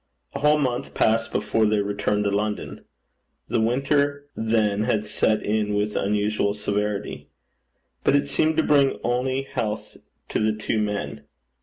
A whole month passed before they returned to London. The winter then had set in with unusual severity. But it seemed to bring only health to the two men.